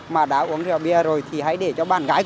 mà đã uống rượu bia rồi thì hãy để cho bạn gái của mình